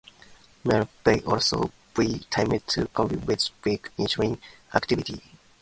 Meals may also be timed to coincide with peak insulin activity.